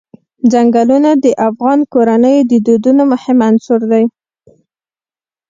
ځنګلونه د افغان کورنیو د دودونو مهم عنصر دی.